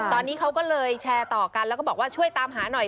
ตอนนี้เขาก็เลยแชร์ต่อกันแล้วก็บอกว่าช่วยตามหาหน่อย